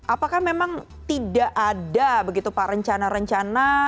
apakah memang tidak ada begitu pak rencana rencana